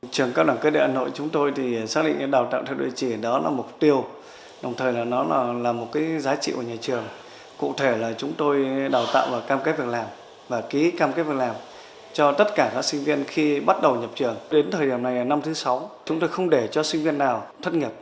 tất cả các doanh nghiệp có quy mô đào tạo theo nhu cầu của doanh nghiệp